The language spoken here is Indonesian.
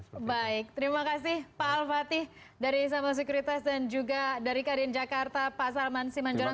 baik terima kasih pak al fatih dari sama sekuritas dan juga dari kdn jakarta pak sarman simanjorong